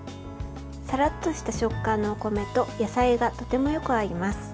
サラッとした食感のお米と野菜がとてもよく合います。